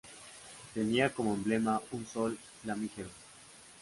Tenía como emblema un sol flamígero.